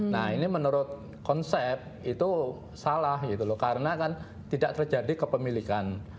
nah ini menurut konsep itu salah gitu loh karena kan tidak terjadi kepemilikan